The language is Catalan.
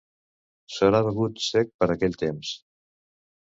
S'haurà begut cec per aquell temps.